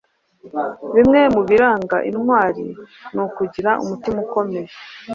Bimwe mu biranga intwari ni ukugira umutima ukomeye